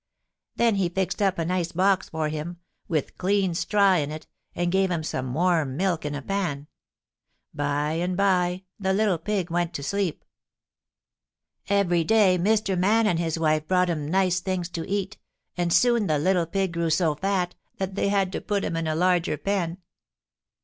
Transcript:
Then he fixed up a nice box for him, with clean straw in it, and gave him some warm milk in a pan. By and by the little pig went to sleep. [Illustration: HE TOOK THE FIRST PRIZE.] Every day Mr. Man and his wife brought him nice things to eat, and soon the little pig grew so fat that they had to put him in a larger pen.